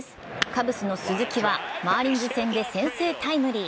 カブスの鈴木はマーリンズ戦で先制タイムリー。